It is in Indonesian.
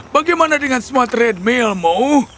bagaimana dengan semua treadmillmu